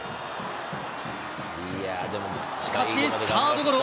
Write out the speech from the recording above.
しかしサードゴロ。